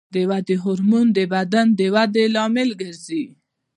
د ودې هورمون د بدن د ودې لامل ګرځي.